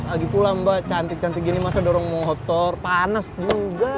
lagi pulang mbak cantik cantik gini masa dorong motor panas juga